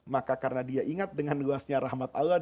maka karena dia ingat dengan luasnya rahmat allah